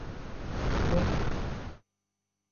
Veke.